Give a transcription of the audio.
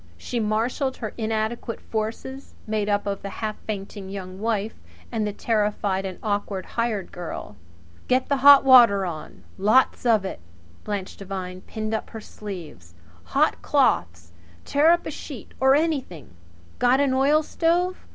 She marshalled her little inadequate forces, made up of the half fainting Young Wife and the terrified and awkward hired girl. "Get the hot water on lots of it!" Blanche Devine pinned up her sleeves. "Hot cloths! Tear up a sheet or anything! Got an oilstove?